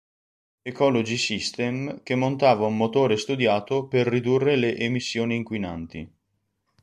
Ecology System che montava un motore studiato per ridurre le emissioni inquinanti.